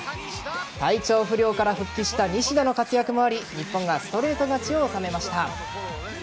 体調不良から復帰した西田の活躍もあり日本がストレート勝ちを収めました。